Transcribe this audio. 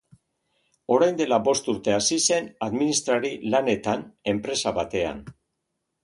Orain dela bost urte hasi zen administrari lanetan enpresa batean.